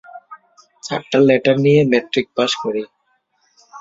চারটা লেটার নিয়ে matric pass করি।